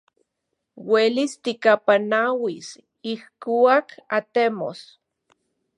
Uelis tikapanauis ijkuak atemos.